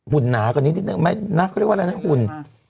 หุ่นหนากว่านี้นิดหนึ่งไม่นักก็นิดว่าอะไรนะหุ่น